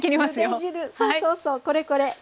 そうそうそうこれこれ！